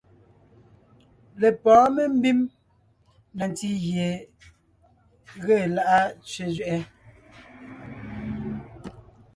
Lepɔ̌ɔn membím na ntí gie mé ge lá’a tsẅé zẅɛʼɛ;